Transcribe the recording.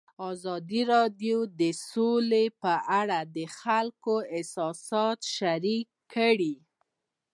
ازادي راډیو د سوله په اړه د خلکو احساسات شریک کړي.